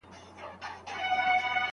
ورور مې په غوسه وویل چې موټر د څه لپاره دي.